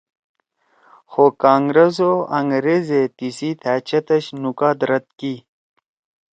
خو کانگرس او أنگریزے تیِسی تھأ چتَش نکات رَد کی